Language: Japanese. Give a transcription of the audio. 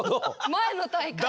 前の大会の。